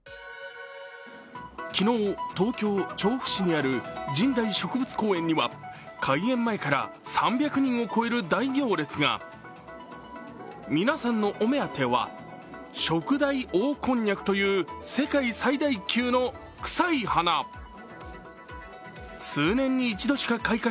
昨日、東京・調布市にある神代植物公園には、開園前から３００人を超える大行列が皆さんのお目当てはショクダイオオコンニャクという世界最大級のくさい花。